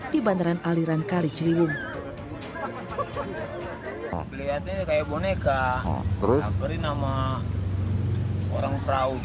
di bantaran aliran kalicariwung